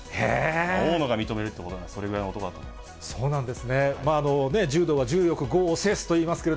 大野が認めるってことは、それぐらいの男だと思います。